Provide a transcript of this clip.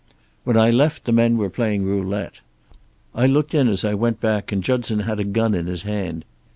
"When I left the men were playing roulette. I looked in as I went back, and Judson had a gun in his hand.